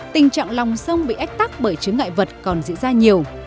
tình trạng lòng sông bị ách tắc bởi chứa ngại vật còn diễn ra nhiều